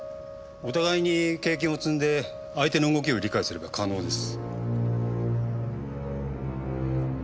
お互いに経験を積んで相手の動きを理解すれば可能です。